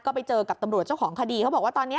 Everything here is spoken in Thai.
ก็ไปเจอกับตำรวจเจ้าของคดีเขาบอกว่าตอนนี้